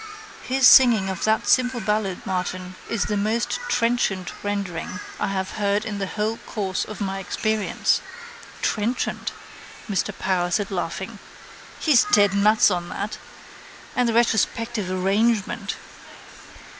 _His singing of that simple ballad, Martin, is the most trenchant rendering I ever heard in the whole course of my experience._ —Trenchant, Mr Power said laughing. He's dead nuts on that. And the retrospective arrangement.